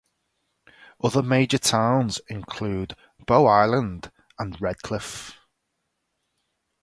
Other major towns include Bow Island and Redcliff.